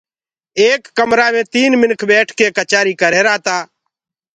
ايڪ ڪمرآ مي تين منک ٻيٺ ڪي ڪچآري ڪرريهرآ تآ